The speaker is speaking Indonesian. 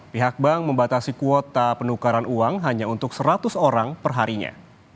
pihak bank membatasi kuota penukaran uang hanya untuk seratus orang perharinya